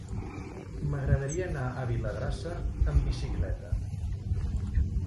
M'agradaria anar a Vilagrassa amb bicicleta.